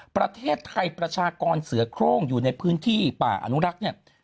ประเทศไทยประชากรเสือโครงอยู่ในพื้นที่ป่าอนุรักษ์เนี่ย